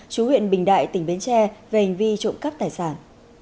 chú huyện bình đại tỉnh bến tre về hành vi trộm cắp tài sản